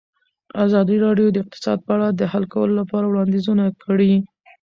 ازادي راډیو د اقتصاد په اړه د حل کولو لپاره وړاندیزونه کړي.